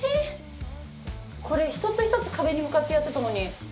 これ１つ１つ壁に向かってやってたのに。